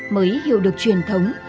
mới hiểu được truyền thống